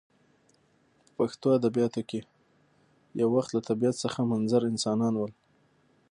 په پښتو ادبیاتو کښي یو وخت له طبیعت څخه منظر انسانان ول.